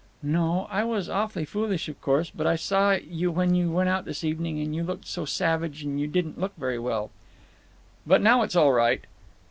"No—I was awful foolish, of course, but I saw you when you went out this evening, and you looked so savage, and you didn't look very well." "But now it's all right."